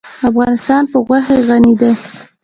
افغانستان په غوښې غني دی.